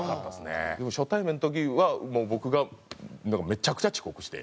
初対面の時は僕がめちゃくちゃ遅刻して。